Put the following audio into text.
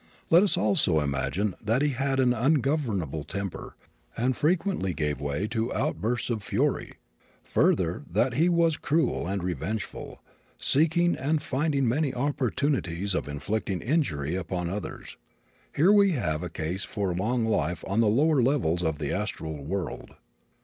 Let us also imagine that he had an ungovernable temper and frequently gave way to outbursts of fury; further, that he was cruel and revengeful, seeking and finding many opportunities of inflicting injuries upon others. Here we have a case for long life on the lower levels of the astral world.